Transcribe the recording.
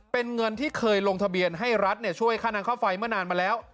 เป็นเงินที่เคยลงทะเบียนให้รัฐช่วยค่าน้ำค่าไฟเมื่อนานมาแล้ว